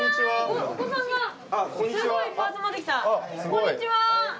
こんにちは。